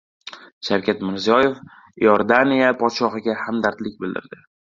Shavkat Mirziyoyev Iordaniya Podshohiga hamdardlik bildirdi